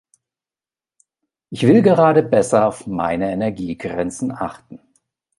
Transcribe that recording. Ich will gerade besser auf meine Energie-Grenzen achten.